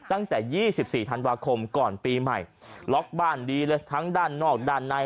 ตั้งแต่๒๔ธันวาคมก่อนปีใหม่ล็อกบ้านดีเลยทั้งด้านนอกด้านใน